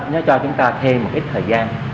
nó cho chúng ta thêm một ít thời gian